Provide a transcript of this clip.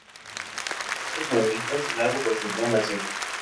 Muchos amuletos la representan así.